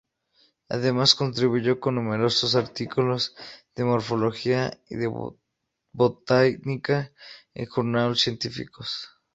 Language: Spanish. Además contribuyó con numerosos artículos de morfología y de Botánica en journals científicos.